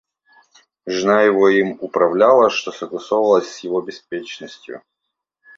Жена его им управляла, что согласовалось с его беспечностию.